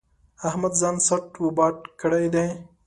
احمد ځان ساټ و باټ کړی دی.